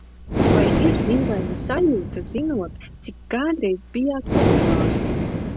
Vai ir dīvaina sajūta, zinot, cik kādreiz bijāt populārs?